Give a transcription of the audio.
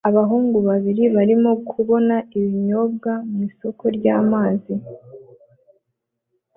Abahungu babiri barimo kubona ibinyobwa mu isoko y'amazi